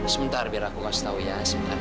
sebentar biar aku kasih tau ya sebentar